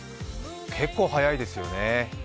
結構早いですよね。